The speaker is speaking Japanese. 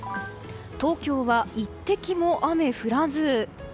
東京は一滴も雨降らず。